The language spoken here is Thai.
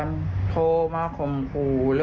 ลองฟังดูครับ